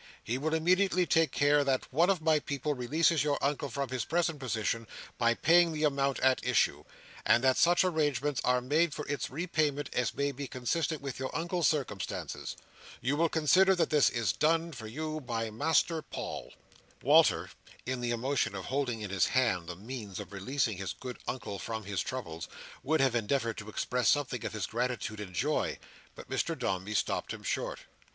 He will immediately take care that one of my people releases your Uncle from his present position, by paying the amount at issue; and that such arrangements are made for its repayment as may be consistent with your Uncle's circumstances. You will consider that this is done for you by Master Paul." Walter, in the emotion of holding in his hand the means of releasing his good Uncle from his trouble, would have endeavoured to express something of his gratitude and joy. But Mr Dombey stopped him short.